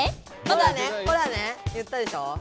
ほらねほらね言ったでしょう。